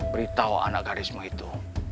beritahu anak garismu itu